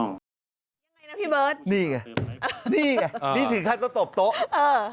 นี่ไงเจ้านี่ถึงท่านร่วมตก